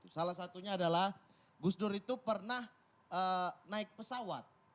salah satunya adalah gus dur itu pernah naik pesawat